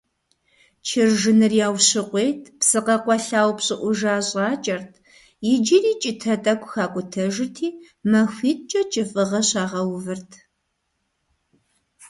чыржыныр яущыкъуейт, псы къэкъуэлъа упщIыIужа щIакIэрт, иджыри кIытэ тIэкIу хакIутэжырти, махуиткIэ кIыфIыгъэ щагъэувырт.